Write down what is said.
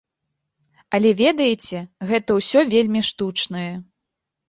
Але ведаеце, гэта ўсё вельмі штучнае.